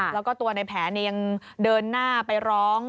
แล้วก็ตัวในแผนยังเดินหน้าไปร้อง